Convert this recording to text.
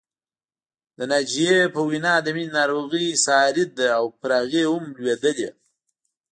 د ناجيې په وینا د مینې ناروغي ساري ده او پر هغې هم لوېدلې